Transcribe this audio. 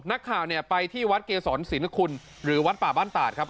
นักข่าวเนี่ยไปที่วัดเกษรศิลคุณหรือวัดป่าบ้านตาดครับ